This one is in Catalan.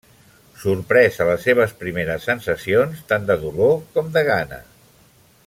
Sorprès a les seves primeres sensacions tant de dolor com de gana.